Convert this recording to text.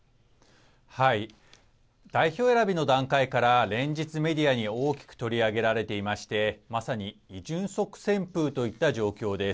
代表選びの段階から連日メディアに大きく取り上げられていましてまさにイ・ジュンソク旋風といった状況です。